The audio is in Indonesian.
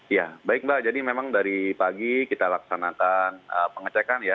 ya baik mbak jadi memang dari pagi kita laksanakan pengecekan ya